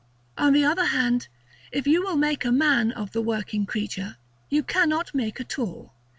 On the other hand, if you will make a man of the working creature, you cannot make a tool.